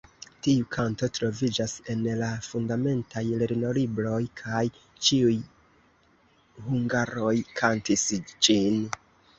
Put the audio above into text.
Tiu kanto troviĝas en la fundamentaj lernolibroj kaj ĉiuj hungaroj kantis ĝin.